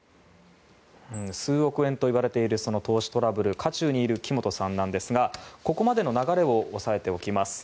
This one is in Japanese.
数億円といわれているその投資トラブル渦中にいる木本さんなんですがここまでの流れを押さえておきます。